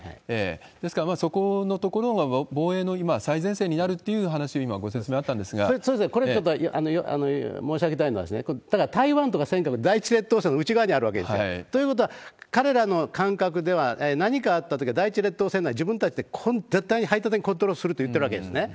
ですからそこの所は防衛の今、最前線になるっていう話を今、すみません、これちょっと、申し上げたいのは、だから台湾とか尖閣、第１列島線の内側にあるわけですよ。ということは、彼らの感覚では、何かあったときは第１列島線内、自分たちで絶対に排他的コントロールするって言ってるわけですね。